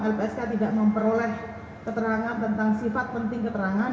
lpsk tidak memperoleh keterangan tentang sifat penting keterangan